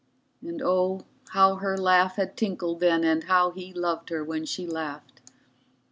And oh, how her laugh had tinkled then, and how he loved her when she laughed.